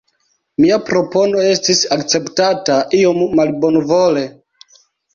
Mia propono estis akceptata iom malbonvole.